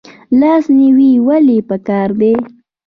لاس نیوی ولې پکار دی؟